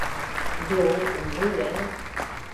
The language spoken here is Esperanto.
Do, unue